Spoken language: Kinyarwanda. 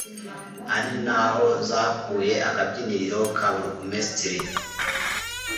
ari na ho zakuye akabyiniriro ka burugumesitiri?